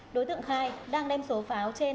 đối tượng khai đang đem số pháo trên